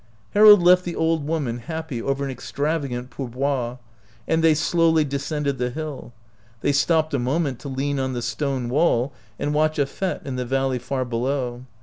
Harold left the old woman happy over an extravagant pour boire^ and they slowly de scended the hill. They stopped a moment to lean on the stone wall and watch a fSte in the valley far below.